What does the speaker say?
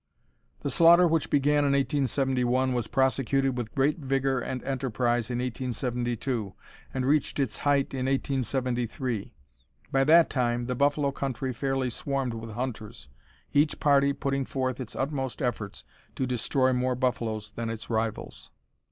The slaughter which began in 1871 was prosecuted with great vigor and enterprise in 1872, and reached its heighten 1873. By that time, the buffalo country fairly swarmed with hunters, each, party putting forth its utmost efforts to destroy more buffaloes than its rivals.